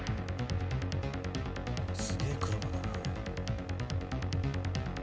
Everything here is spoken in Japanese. すげえ車だな。